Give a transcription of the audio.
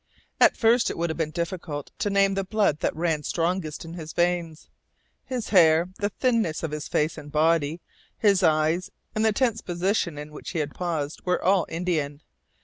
At first it would have been difficult to name the blood that ran strongest in his veins. His hair, the thinness of his face and body, his eyes, and the tense position in which he had paused, were all Indian.